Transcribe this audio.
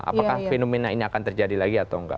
apakah fenomena ini akan terjadi lagi atau enggak